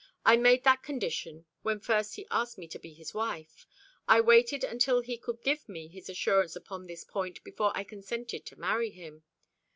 I made that condition when first he asked me to be his wife. I waited until he could give me his assurance upon this point before I consented to marry him."